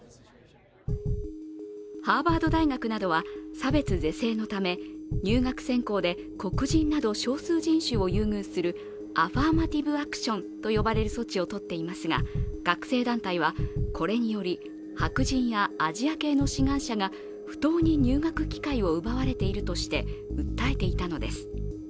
ハーバード大学などは差別是正のため入学選考で、黒人など少数人種を優遇するアファーマティブ・アクションと呼ばれる措置を取っていますが学生団体はこれにより白人やアジア系の志願者が不当に入学機会を奪われているとして訴えていたのです。